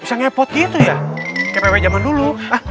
bisa ngepot gitu ya kayak pepepe zaman dulu